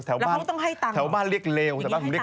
เออแถวบ้านเรียกเลว